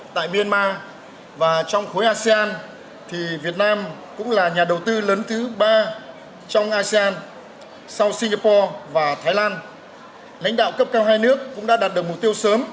trong asean sau singapore và thái lan lãnh đạo cấp cao hai nước cũng đã đạt được mục tiêu sớm